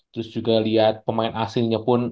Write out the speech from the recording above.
terus juga lihat pemain asingnya pun